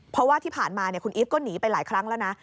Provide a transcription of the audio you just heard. เพราะว่าที่ผ่านมาคุณอีฟก็หนีไปหลายครั้งแล้วนะ